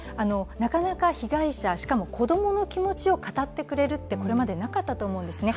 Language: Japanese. なかなか被害者、しかも子供の気持ちを語ってくれるってこれまでなかったと思うんですね。